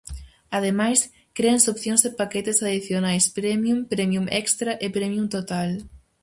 Ademais, créanse opcións e paquetes adicionais Premium, Premium Extra e Premium Total.